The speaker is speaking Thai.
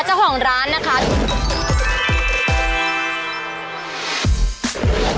เจ้าของร้านนะคะ